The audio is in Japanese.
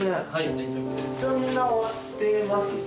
一応みんな終わってます